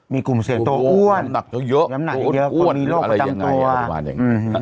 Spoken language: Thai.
มีกลุ่มเสียงโตอ้วนเยอะอ้วนคงมีร่วมประจำตัว